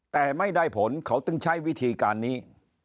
แต่ไม่ได้ผลเขาจึงใช้วิธีการนี้